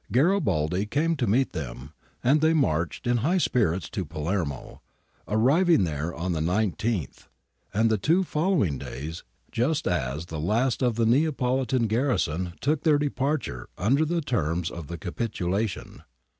Garibaldi came to meet them, and they marched in high spirits to Palermo, arriving there on the 19th and the two follow ing days, just as the last of the Neapolitan garrison took their departure under the terms of the capitulation.